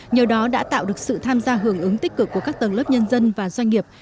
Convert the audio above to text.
nhờ đó đã tạo được sự tham gia hưởng ứng tích cực của các tầng lớp nhân dân và doanh nghiệp